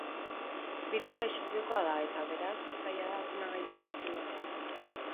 Birusa isilpekoa da eta, beraz, zaila da ordenagailuan atzematea.